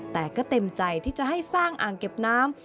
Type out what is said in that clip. แต่ก็เต็มใจที่จะให้สร้างอ่างเก็บน้ำ